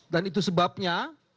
dan itu sebabnya